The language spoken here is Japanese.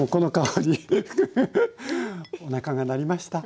おなかが鳴りました。